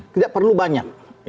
tidak perlu banyak